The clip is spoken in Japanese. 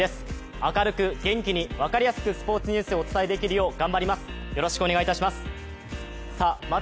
明るく元気に分かりやすくスポーツニュースを伝えできるよう頑張ります、よろしくお願いいたします。